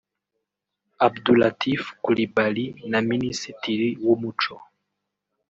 Abdou Latif Coulibaly na Minisitiri w’Umuco